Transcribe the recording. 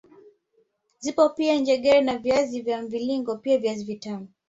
Zipo pia njegere na viazi vya mviringo pia viazi vitamu